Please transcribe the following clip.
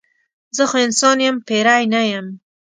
زه خو انسان یم پیری نه یم.